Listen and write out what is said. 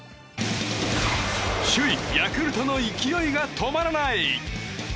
首位ヤクルトの勢いが止まらない！